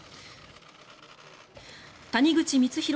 谷口光弘